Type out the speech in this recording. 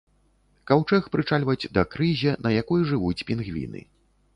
Каўчэг прычальваць да крызе, на якой жывуць пінгвіны.